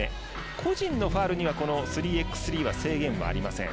個人のファウルには３ｘ３は制限はありません。